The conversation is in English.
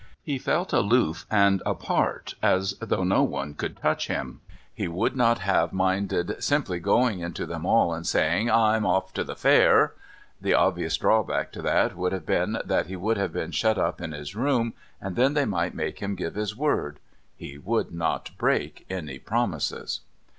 He felt aloof and apart, as though no one could touch him. He would not have minded simply going into them all and saying: "I'm off to the Fair." The obvious drawback to that would have been that he would have been shut up in his room, and then they might make him give his word... He would not break any promises.